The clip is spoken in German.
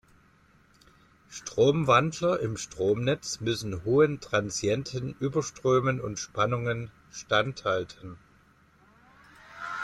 Stromwandler im Stromnetz müssen hohen transienten Überströmen und -spannungen standhalten.